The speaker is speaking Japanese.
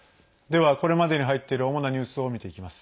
では、これまでに入っている主なニュースを見ていきます。